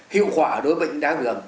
hiệu quả đối với bệnh đáy đường